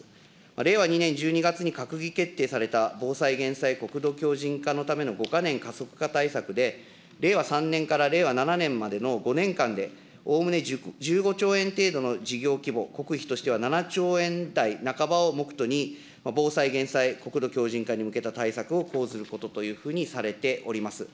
令和２年１２月に閣議決定された防災・減災国土強じん化のための５か年加速化対策で、令和３年から令和７年までの５年間でおおむね１５兆円程度の事業規模、国費としては７兆円台半ばを目途に、防災・減災国土強じん化に向けた対策を講ずることというふうにされております。